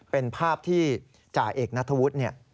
เป็นภาพที่จ่าเอกนัทธวุฒิเนี่ย